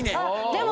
でも。